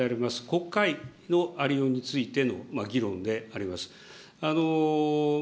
国会のありようについての議論であります。